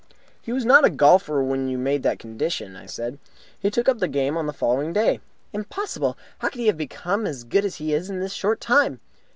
"He was not a golfer when you made that condition," I said. "He took up the game on the following day." "Impossible! How could he have become as good as he is in this short time?"